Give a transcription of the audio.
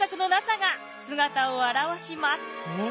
えっ？